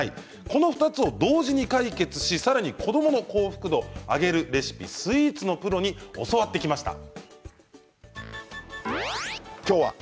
この２つを同時に解決しさらに子どもの幸福度を上げるレシピをスイーツのプロに教わってきました。